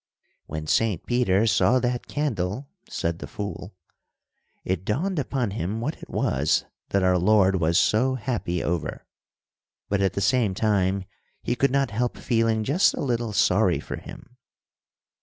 "When Saint Peter saw that candle," said the fool, "it dawned upon him what it was that our Lord was so happy over, but at the same time he could not help feeling just a little sorry for Him.